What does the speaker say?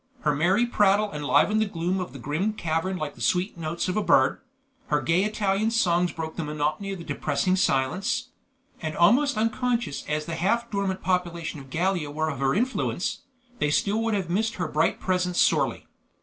Her merry prattle enlivened the gloom of the grim cavern like the sweet notes of a bird; her gay Italian songs broke the monotony of the depressing silence; and almost unconscious as the half dormant population of Gallia were of her influence, they still would have missed her bright presence sorely.